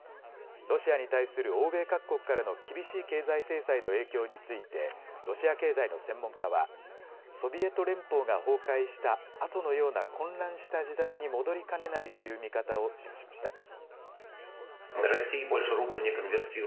ロシアに対する欧米各国からの厳しい経済制裁の影響についてロシア経済の専門家はソビエト連邦が崩壊したあとのような混乱した時代に戻りかねないという見方を示しました。